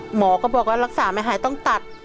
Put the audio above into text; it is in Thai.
หมอก็บอกว่ารักษาไม่หายต้องตัด